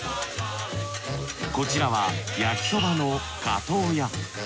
こちらは焼きそばの加藤家。